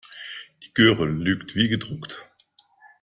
Die Göre lügt wie gedruckt.